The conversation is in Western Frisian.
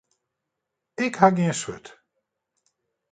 Ik ha gjin swurd.